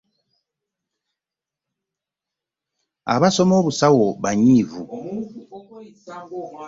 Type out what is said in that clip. Abasoma abusawa banyiivu.